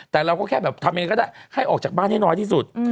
แต่เราก็แค่แบบทำยังไงก็ได้ให้ออกจากบ้านให้น้อยที่สุด